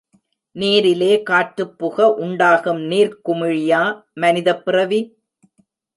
— நீரிலே காற்றுப்புக உண்டாகும் நீர்க் குமிழியா மனிதப் பிறவி?